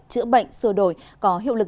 chữa bệnh sửa đổi có hiệu lực